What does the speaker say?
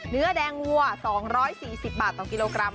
เนื้อแดงวัว๒๔๐บาทต่อกิโลกรัม